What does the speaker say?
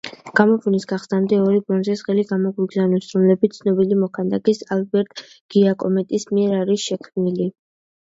გამოფენის გახსნამდე, ორი ბრონზის ღილი გამოგვიგზავნეს, რომლებიც ცნობილი მოქანდაკის, ალბერტო გიაკომეტის მიერ არის შექმნილი.